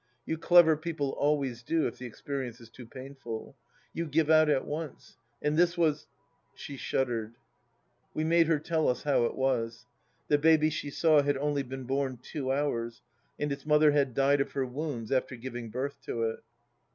You clever people always do if the experience is too painful. You give out at once. And this was " She shuddered. We made her tell us how it was. The baby she saw had only been bom two hours, and its mother had died of her wounds after giving birth to it.